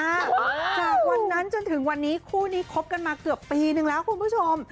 จากวันนั้นจนถึงวันนี้คู่นี้คบกันมาเกือบปีนึงแล้วคุณผู้ชม